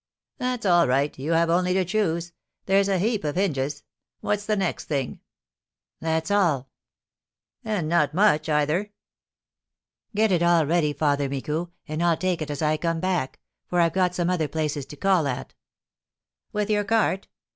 "That's all right; you have only to choose; there's a heap of hinges. What's the next thing?" "That's all." "And not much, either." "Get it all ready, Father Micou, and I'll take it as I come back; for I've got some other places to call at." "With your cart?